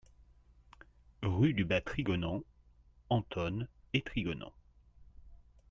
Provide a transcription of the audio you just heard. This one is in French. Rue du Bas Trigonant, Antonne-et-Trigonant